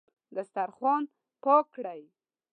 دسترخوان پاک کړئ